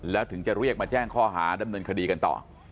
แล้วถึงจะเรียกมาแจ้งข้อหาดำเนินคดีกันต่อ